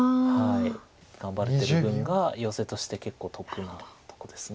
頑張ってる分がヨセとして結構得になったとこです。